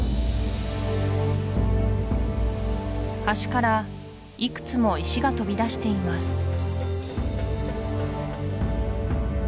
橋からいくつも石が飛び出しています